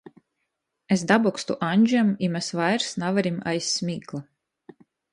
Es dabokstu Aņžam, i mes vairs navarim aiz smīkla.